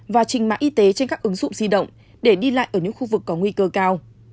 và trình mạng y tế trên các ứng dụng di động để đi lại ở những khu vực có nguy cơ cao